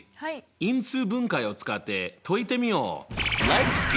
因数分解を使って解いてみよう！